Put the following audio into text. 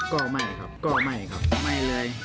ก็ไม่ครับก็ไม่ครับไม่เลย